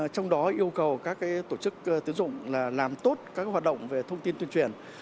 trong đó yêu cầu các tổ chức tiến dụng làm tốt các hoạt động về thông tin tuyên truyền